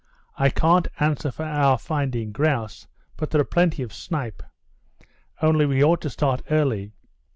"I can't answer for our finding grouse, but there are plenty of snipe. Only we ought to start early.